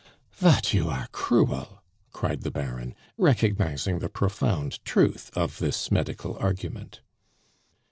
"Vat you are cruel!" cried the Baron, recognizing the profound truth of this medical argument.